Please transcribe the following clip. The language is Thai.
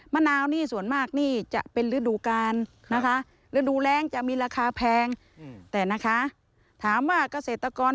มะนาวนี่ส่วนมากจะเป็นฤดูการ